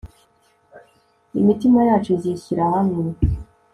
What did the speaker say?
Imitima yacu izishyira hamwe